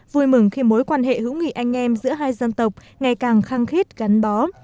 vui mừng khi mối quan hệ hữu nghị anh em giữa hai dân tộc ngày càng khăng khít gắn bó